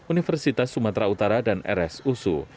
universitas sumatera utara dan rsu